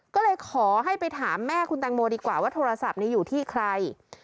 ก็เลยขอให้ไปถามแม่คุณแตงโมดีกว่าว่าโทรศัพท์นี้อยู่ที่ใคร